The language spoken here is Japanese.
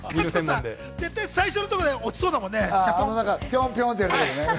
絶対最初のところで落ちそうだもんね。